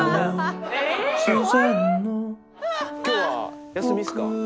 今日は休みっすか？